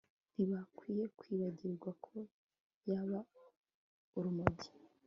ntibakwiye kwibagirwa ko yaba urumogi